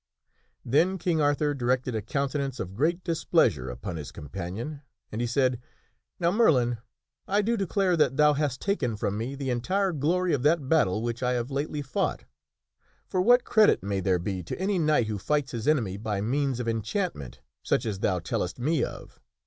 Then King Arthur directed a countenance of great displeasure upon his companion and he said, " Now, Merlin, I do declare that thou hast taken from me the entire glory of that battle which I have lately fought. For what credit may there be to any knight who fights his enemy by means of enchantment such as thou tellest me of